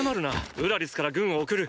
ウラリスから軍を送る。